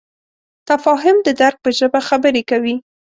تفاهم د درک په ژبه خبرې کوي.